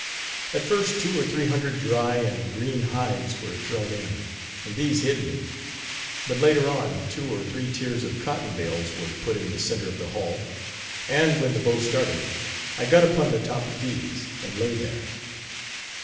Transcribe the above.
At first two or three hundred dry and green hides were thrown in, and these hid me; but later on two or three tiers of cotton bales were put in the center of the hull, and, when the boat started, I got upon the top of these, and lay there.